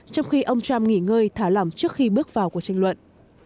trong khi ông trump nghỉ ngơi thả lỏng trước khi bước vào cuộc tranh luận